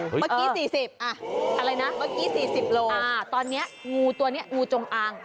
เมื่อกี้สี่สิบอ่ะอะไรนะเมื่อกี้สี่สิบโลอ่าตอนเนี้ยงูตัวเนี้ยงูจงอางค่ะ